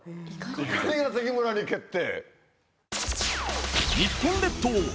碇ヶ関村に決定。